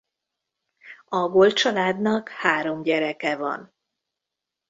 A Gold családnak három gyereke van.